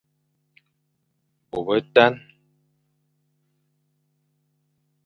Bô betan,